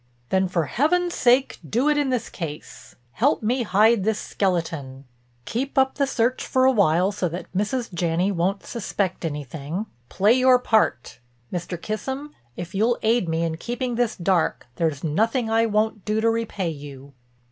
"Then for heaven's sake do it in this case—help me hide this skeleton. Keep up the search for a while so that Mrs. Janney won't suspect anything; play your part. Mr. Kissam, if you'll aid me in keeping this dark there's nothing I wouldn't do to repay you."